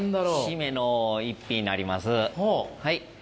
締めの一品になりますはい。